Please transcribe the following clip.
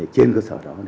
trên cơ sở đó